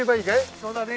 そうだね。